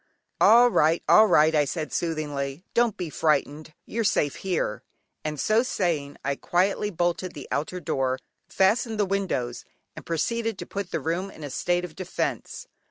"All right, all right" I said soothingly: "don't be frightened, you're safe here," and so saying I quietly bolted the outer door, fastened the windows, and proceeded to put the room in a state of defence.